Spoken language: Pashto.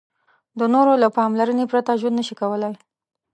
د نورو له پاملرنې پرته ژوند نشي کولای.